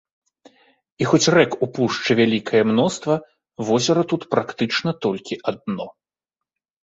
І хоць рэк у пушчы вялікае мноства, возера тут практычна толькі адно.